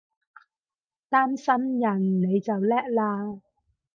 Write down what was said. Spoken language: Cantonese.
擔心人你就叻喇！